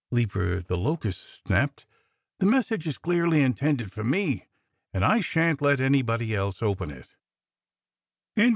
Leaper the Locust snapped. "The message is clearly intended for me. And I shan't let anybody else open it."